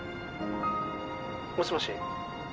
「もしもし？